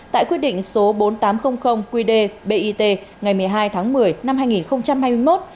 tại quyết định số bốn nghìn tám trăm linh qd bit ngày một mươi hai tháng một mươi năm hai nghìn hai mươi một